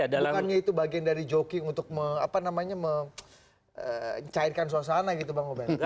bukannya itu bagian dari jogging untuk mencairkan suasana gitu bang oben